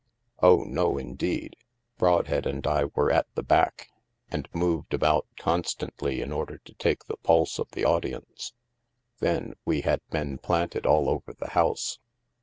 ''" Oh, no, indeed ! Brodhead and I were at the back, and moved about constantly in order to take the pulse of the audience. Then, we had men planted all over the house.